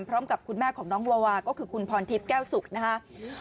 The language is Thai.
พร้อมกับคุณแม่ของน้องวาวาก็คือคุณพรทิพย์แก้วสุกนะครับ